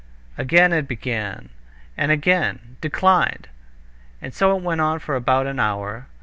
Again it began, and again "Declined." And so it went on for about an hour.